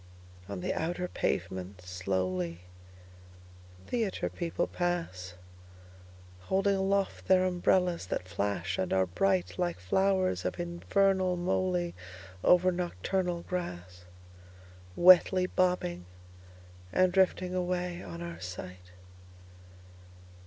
On the outer pavement, slowly, Theatre people pass, Holding aloft their umbrellas that flash and are brightLike flowers of infernal molyOver nocturnal grassWetly bobbing and drifting away on our sight.